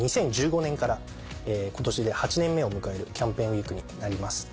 ２０１５年から今年で８年目を迎えるキャンペーンウイークになります。